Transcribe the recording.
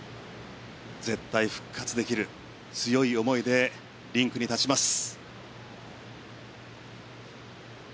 絶対、復活できる強い思いでリンクに立ちます。